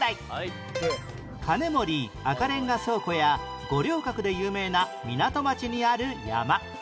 金森赤レンガ倉庫や五稜郭で有名な港町にある山